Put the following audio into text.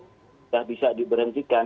sudah bisa diberhentikan